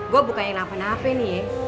gue bukan yang lapan lapen nih ya